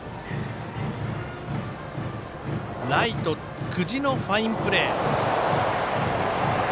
ライト、久慈のファインプレー。